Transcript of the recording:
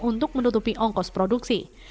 untuk menutupi ongkos produksi